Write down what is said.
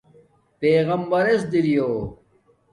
پیغمبراس دریݸ